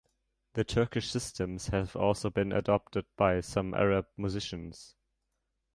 The Turkish systems have also been adopted by some Arab musicians.